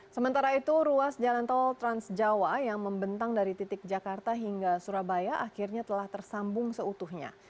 sementara itu ruas jalan tol transjawa yang membentang dari titik jakarta hingga surabaya akhirnya telah tersambung seutuhnya